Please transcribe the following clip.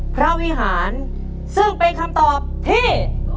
วิหารซึ่งเป็นคำตอบที่